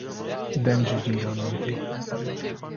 deng ji cîranan tê